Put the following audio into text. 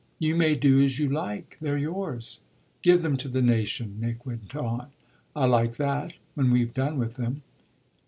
"You may do as you like they're yours." "Give them to the nation," Nick went on. "I like that! When we've done with them."